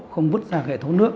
không vứt ra hệ thống nước